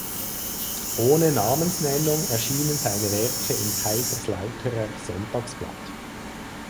Ohne Namensnennung erschienen seine Werke im Kaiserslauterer Sonntagsblatt.